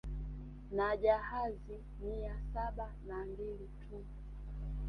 Na jahazi mia saba na mbili tu